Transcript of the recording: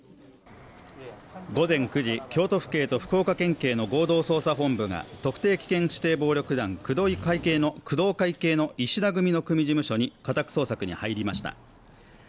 午前９時京都府警と福岡県警の合同捜査本部が特定危険指定暴力団工藤会系の石田組の組事務所に家宅捜索に入りました